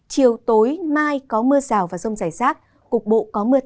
chiều tối mai có mưa rào và rông rải rác cục bộ có mây